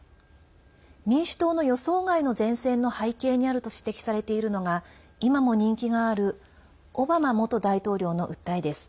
民主党の予想外の善戦の背景にあると指摘されているのが今も人気があるオバマ元大統領の訴えです。